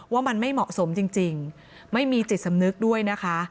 ว่ามันไม่เหมาะสมจริงไม่มีจิตสำนึกด้วยนะคะ